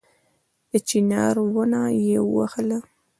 د چينار ونه يې ووهله